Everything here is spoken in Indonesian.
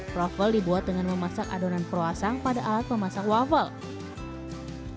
kroffel dibuat dengan memasak adonan peruasang pada alat memasak waffle